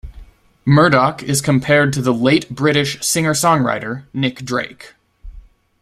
Murdoch is compared to the late British singer-songwriter Nick Drake.